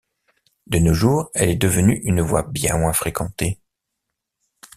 De nos jours, elle est devenue une voie bien moins fréquentée.